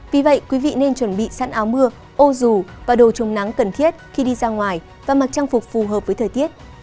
vì vậy quý vị nên chuẩn bị sẵn áo mưa ô rù và đồ trồng nắng cần thiết khi đi ra ngoài và mặc trang phục phù hợp với thời tiết